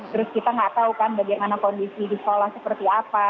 terus kita nggak tahu kan bagaimana kondisi di sekolah seperti apa